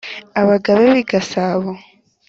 Abagabe b'i Gasabo,